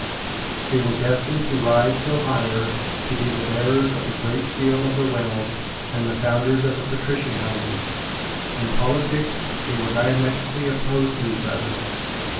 They were destined to rise still higher, to be the bearers of the great seal of the realm, and the founders of patrician houses. In politics they were diametrically opposed to each other.